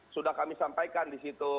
sudah kami sampaikan di situ